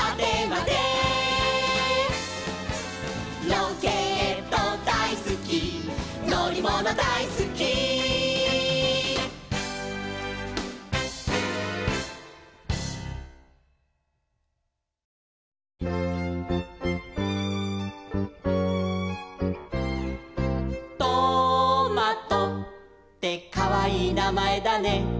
「ロケットだいすきのりものだいすき」「トマトってかわいいなまえだね」